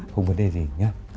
không vấn đề gì nhá